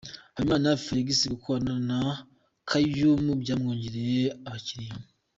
Habimana Felix gukorana na Kaymu byamwongereye abakiriya.